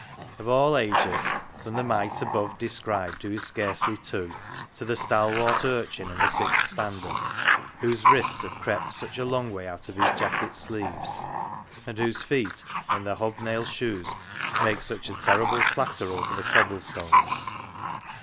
Of all ages, from the mite above described, who is scarcely two, to the stalwart urchin in the Sixth Standard, whose wrists have crept such a long way out of his jacket sleeves, and whose feet in their hob nailed shoes make such a terrible clatter over the cobble stones.